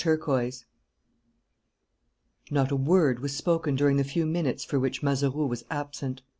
Not a word was spoken during the few minutes for which Mazeroux was absent.